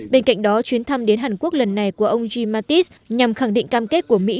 bên cạnh đó chuyến thăm đến hàn quốc lần này của ông ji mattis nhằm khẳng định cam kết của mỹ